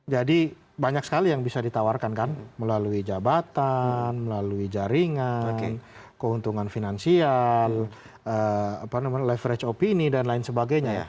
jadi banyak sekali yang bisa ditawarkan kan melalui jabatan lalu jaringan keuntungan finansial apa namanya dasar pendapat dan lain sebagainya